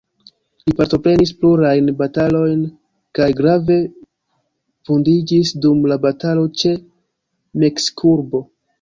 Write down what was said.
Li partoprenis plurajn batalojn, kaj grave vundiĝis dum la batalo ĉe Meksikurbo.